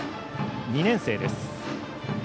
２年生です。